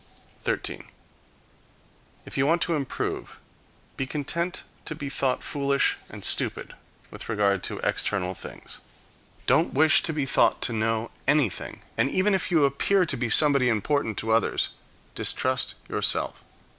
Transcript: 13. If you want to improve, be content to be thought foolish and stupid with regard to external things. Don't wish to be thought to know anything; and even if you appear to be somebody important to others, distrust yourself.